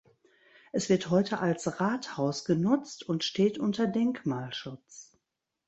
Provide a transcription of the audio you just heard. Es wir heute als Rathaus genutzt und steht unter Denkmalschutz.